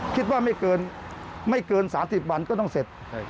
คิดว่าไม่เกิน๓๐วันก็ต้องเสร็จ